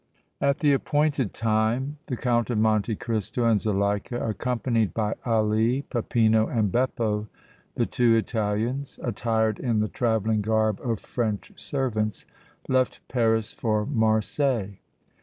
At the appointed time the Count of Monte Cristo and Zuleika, accompanied by Ali, Peppino and Beppo, the two Italians attired in the traveling garb of French servants, left Paris for Marseilles.